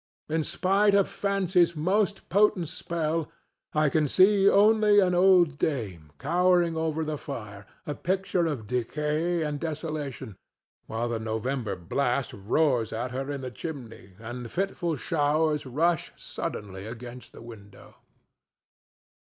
In spite of Fancy's most potent spell, I can see only an old dame cowering over the fire, a picture of decay and desolation, while the November blast roars at her in the chimney and fitful showers rush suddenly against the window.